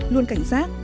luôn cảnh giác